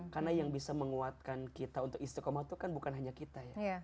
karena yang bisa menguatkan kita untuk istiqomah itu kan bukan hanya kita ya